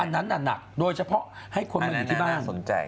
อันนั้นน่ะโดยเฉพาะให้คนมาอยู่ที่บ้าน